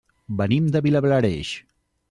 Venim de Vilablareix.